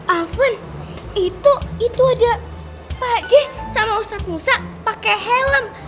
awan itu ada pak de sama ustaz musa pake helm